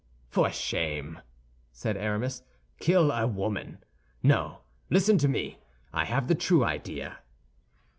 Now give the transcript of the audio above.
"For shame!" said Aramis. "Kill a woman? No, listen to me; I have the true idea."